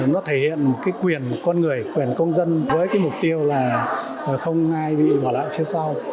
nó thể hiện cái quyền con người quyền công dân với cái mục tiêu là không ai bị bỏ lại phía sau